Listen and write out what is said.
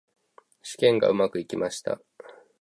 試験がうまくいきました。